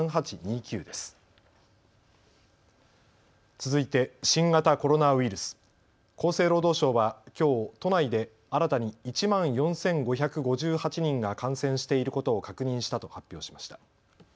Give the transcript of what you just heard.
続いて新型コロナウイルス、厚生労働省はきょう都内で新たに１万４５５８人が感染していることを確認したと発表しました。